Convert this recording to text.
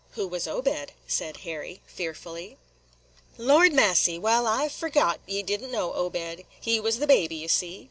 "Who was Obed?" said Harry, fearfully. "Lordy massy! wal, I forgot ye did n't know Obed. He was the baby, ye see.